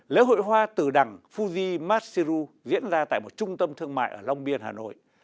lễ hội hoa tử đằng fuzi matsuru diễn ra tại một trung tâm thương mại ở long biên hà nội